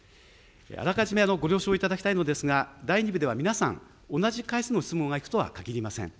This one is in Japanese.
あらかじめご了承いただきたいのですが、第２部では皆さん、同じ回数の質問がいくとはかぎりません。